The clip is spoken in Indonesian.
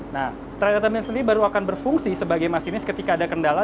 nah trade etamina sendiri baru akan berfungsi sebagai masinis ketika ada kendala